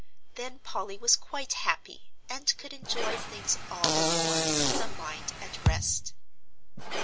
Then Polly was quite happy, and could enjoy things all the more, with a mind at rest.